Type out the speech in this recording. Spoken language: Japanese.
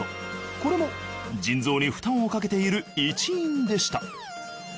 これも腎臓に負担をかけている一因でした。